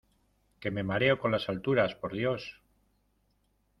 que me mareo con las alturas, por Dios.